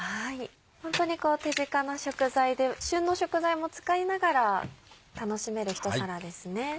ホントに手近な食材で旬の食材も使いながら楽しめる一皿ですね。